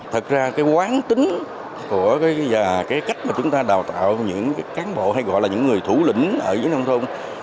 thật ra cái quán tính của cái cách mà chúng ta đào tạo những cán bộ hay gọi là những người thủ lĩnh ở dưới nông thôn